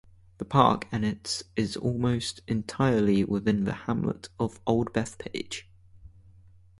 The park and its is almost entirely within the hamlet of Old Bethpage.